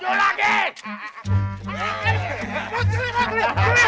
melanjar souther semuanya